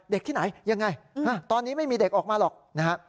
ที่ไหนยังไงตอนนี้ไม่มีเด็กออกมาหรอกนะฮะ